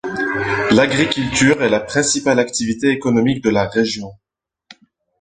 L'agriculture est la principale activité économique de la région.